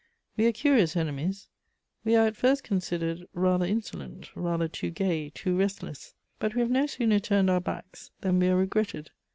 We are curious enemies: we are at first considered rather insolent, rather too gay, too restless; but we have no sooner turned our backs than we are regretted.